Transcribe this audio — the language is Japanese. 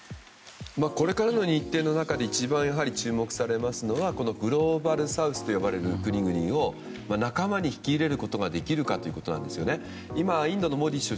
これからの日程の中で一番注目されますのはこのグローバルサウスと呼ばれる国々を仲間に引き入れることができるかということなんですね。